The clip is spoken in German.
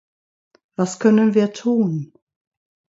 Was können wir tun?